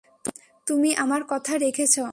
তুমি আমার কথা রেখেছো।